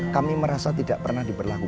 kami merasa tidak pernah diberlakukan